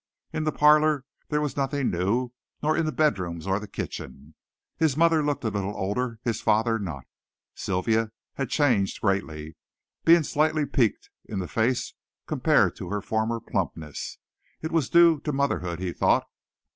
In the parlor there was nothing new, nor in the bed rooms or the kitchen. His mother looked a little older his father not. Sylvia had changed greatly being slightly "peaked" in the face compared to her former plumpness; it was due to motherhood, he thought.